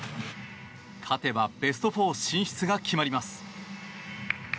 勝てばベスト４進出が決まります。